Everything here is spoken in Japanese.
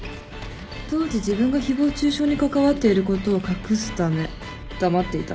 当時自分が誹謗中傷に関わっていることを隠すため黙っていた。